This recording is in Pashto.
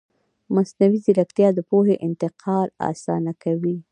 مصنوعي ځیرکتیا د پوهې انتقال اسانه کوي.